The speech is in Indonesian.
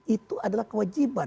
itu adalah kewajiban